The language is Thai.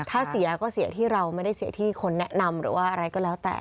ถ้าเสียก็เสียที่เราไม่ได้เสียที่คนแนะนำหรือว่าอะไรก็แล้วแต่